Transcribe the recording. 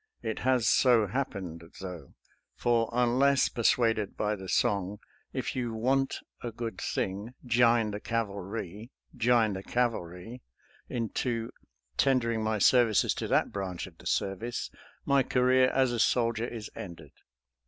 It has so happened, though, for unless per suaded by the song, " If you want a good thing, jine the cavalry, jine the cavalry," into tender ing my services to that branch of the service, my career as a soldier is ended.